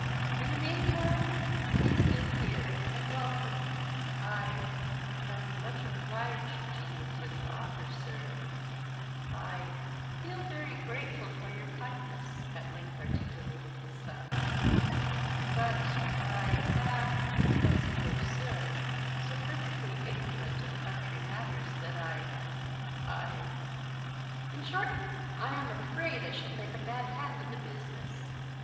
In the meantime, stay still here, and welcome." "I am much obliged to you for the offer, sir; I feel very grateful for your kindness," at length articulated his son; "but I am, as you observe, so perfectly ignorant of country matters, that I I in short, I am afraid I should make a bad hand of the business."